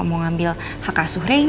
mau ngambil hak asuh reina